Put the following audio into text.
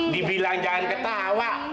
dibilang jangan ketawa